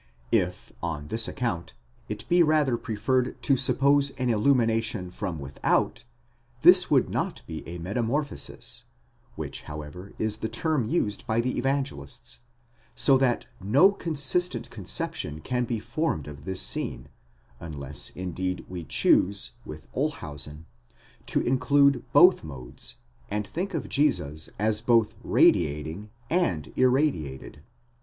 If, on this account, it be rather preferred to suppose an illumination from without, this would not be a metamorphosis, which however is the term used by the Evangelists : so that no consistent conception can be formed of this scene, unless indeed we choose, with Olshausen, to include both modes, and think of Jesus as both radiating, and irradiated.